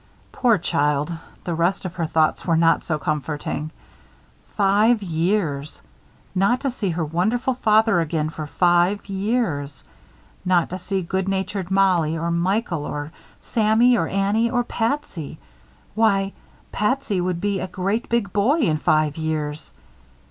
Poor child, the rest of her thoughts were not so comforting. Five years! Not to see her wonderful father again for five years. Not to see good natured Mollie, or Michael or Sammy or Annie or Patsy Why, Patsy would be a great big boy in five years.